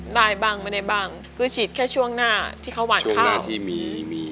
ได้บ้างไม่ได้บ้างคือฉีดแค่ช่วงหน้าที่เขาวางอยู่ข้างหน้าที่มีมี